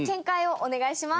お願いします。